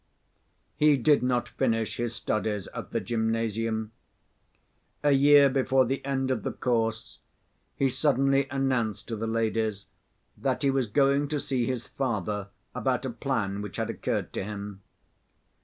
He did not finish his studies at the gymnasium. A year before the end of the course he suddenly announced to the ladies that he was going to see his father about a plan which had occurred to him.